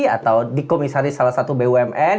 atau dikomisaris salah satu bumn